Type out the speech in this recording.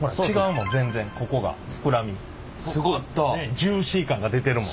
ジューシー感が出てるもん。